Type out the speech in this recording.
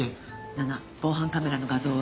ナナ防犯カメラの画像を。